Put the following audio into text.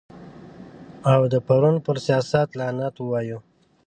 او د پرون پر سیاست لعنت ووایو.